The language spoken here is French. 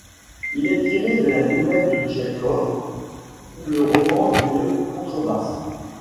Il est tiré de la nouvelle de Tchekhov Le Roman d'une contrebasse.